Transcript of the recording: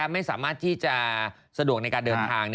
ไม่สามารถที่จะสะดวกในการเดินทาง